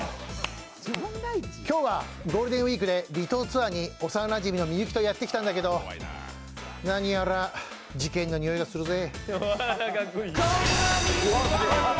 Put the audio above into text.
今日はゴールデンウイークで離島ツアーに幼なじみのみゆきと来たんだけど何やら事件のにおいがするぜ。